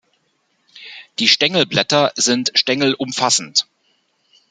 Die Stängelblätter sind stängelumfassend.